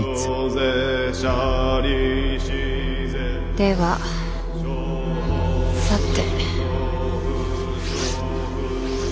ではさて。